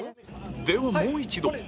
ではもう一度